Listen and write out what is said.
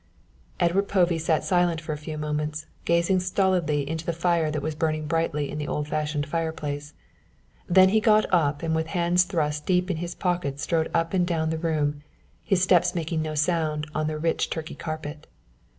Edward Povey sat silent for a few moments, gazing stolidly into the fire that was burning brightly in the old fashioned fire place. Then he got up and with hands thrust deep in his pockets strode up and down the room, his steps making no sound on the rich turkey carpet.